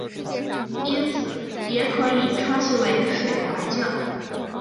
因此也可以称其为水环境。